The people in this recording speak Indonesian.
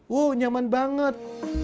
wow nyaman banget